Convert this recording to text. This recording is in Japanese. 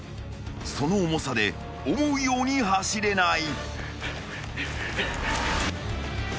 ［その重さで思うように走れない］